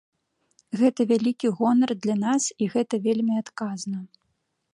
Гэта вялікі гонар для нас і гэта вельмі адказна.